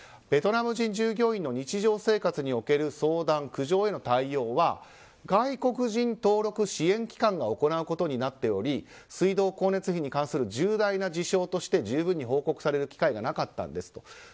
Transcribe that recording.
ベトナム人従業員の日常生活における相談、苦情への対応は外国人登録支援機関が行うことになっており水道光熱費に関する重大な事象として十分に報告される機会がなかったんですと。